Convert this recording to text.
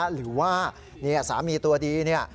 หรือว่าสามีตัวดีเนี่ย